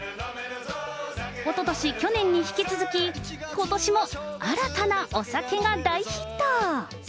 おととし、去年に引き続きことしも新たなお酒が大ヒット。